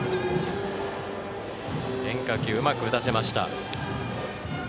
変化球うまく打たせました。